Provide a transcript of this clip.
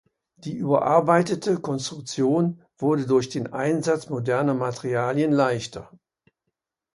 Die überarbeitete Konstruktion wurde durch den Einsatz moderner Materialien leichter.